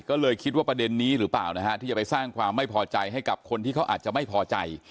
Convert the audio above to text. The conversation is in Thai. ก็เลยคิดว่าประเด็นนี้หรือเปล่านะฮะที่จะไปสร้างความไม่พอใจให้กับคนที่เขาอาจจะไม่พอใจ